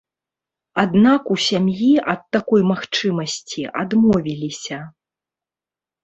Аднак у сям'і ад такой магчымасці адмовіліся.